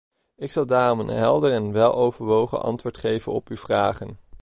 Ik zal daarom een helder en weloverwogen antwoord geven op uw vragen.